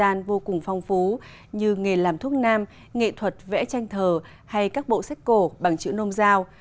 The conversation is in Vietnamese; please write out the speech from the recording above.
các dân gian vô cùng phong phú như nghề làm thuốc nam nghệ thuật vẽ tranh thờ hay các bộ sách cổ bằng chữ nôm giao